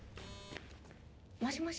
もしもし？